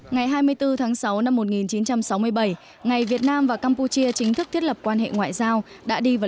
ngày hai mươi bốn tháng sáu năm một nghìn chín trăm sáu mươi bảy ngày việt nam và campuchia chính thức thiết lập quan hệ ngoại giao đã đi vào